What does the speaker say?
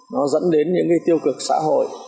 nó dẫn đến những cái tiêu cực xã hội